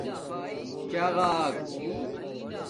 چغݳک